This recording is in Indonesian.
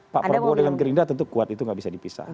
pak prabowo dengan gerindra tentu kuat itu nggak bisa dipisah